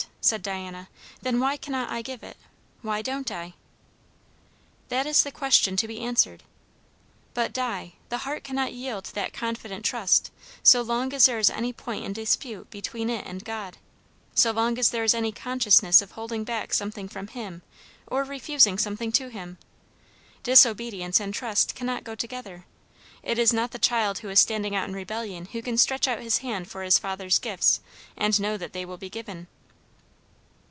said Diana. "Then why cannot I give it? why don't I?" "That is the question to be answered. But, Di, the heart cannot yield that confident trust, so long as there is any point in dispute between it and God; so long as there is any consciousness of holding back something from him or refusing something to him. Disobedience and trust cannot go together. It is not the child who is standing out in rebellion who can stretch out his hand for his father's gifts, and know that they will be given."